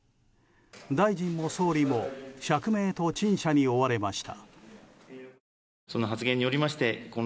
大臣も総理も釈明と陳謝に追われました。